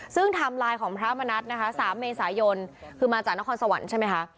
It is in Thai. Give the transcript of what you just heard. ซึ่งไทม์ไลน์ของพระมณัฐนะคะ๓เมษายนคือมาจากนครสวรรค์ใช่ไหมคะ